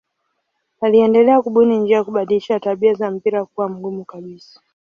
Aliendelea kubuni njia ya kubadilisha tabia za mpira kuwa mgumu kabisa.